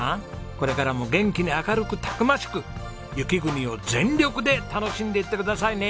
これからも元気に明るくたくましく雪国を全力で楽しんでいってくださいね。